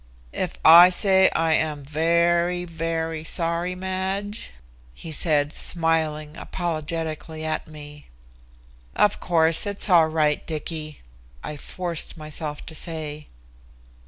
"If I say I am very, very sorry, Madge?" he said, smiling apologetically at me. "Of course it's all right, Dicky," I forced myself to say.